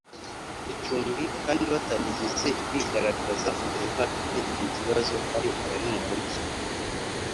icumbi kandi batarigeze bigaragaza mbere nk abafite icyo kibazo hari abari mu Mujyi